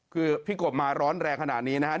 คือพี่กบมาร้อนแรงขนาดนี้นะครับ